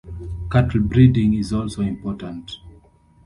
Cattle breeding is also important.